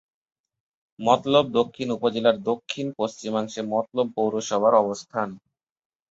মতলব দক্ষিণ উপজেলার দক্ষিণ-পশ্চিমাংশে মতলব পৌরসভার অবস্থান।